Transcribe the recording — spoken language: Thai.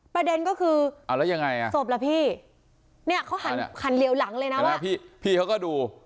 ประเด็นก็คือศพละพี่เนี่ยเขาหันเหลียวหลังเลยนะว่ะพี่เขาก็ดู